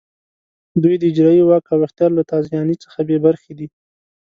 دوی د اجرایې واک او اختیار له تازیاني څخه بې برخې دي.